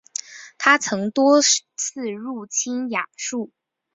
他曾多次入侵亚述。